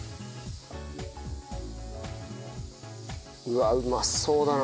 うわうまそうだな